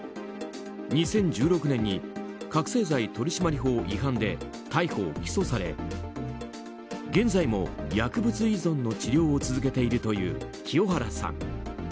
２０１６年に覚醒剤取締法違反で逮捕・起訴され現在も薬物依存の治療を続けているという清原さん。